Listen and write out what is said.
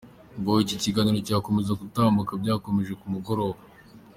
Ngo uko ikiganiro cyakomezaga kutambuka byakomeje kumugora.